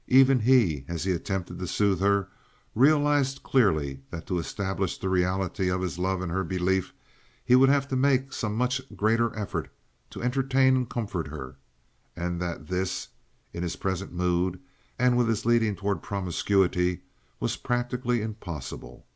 Even he, as he attempted to soothe her, realized clearly that to establish the reality of his love in her belief he would have to make some much greater effort to entertain and comfort her, and that this, in his present mood, and with his leaning toward promiscuity, was practically impossible.